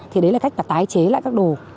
thì đấy là cách là tái chế lại các đồ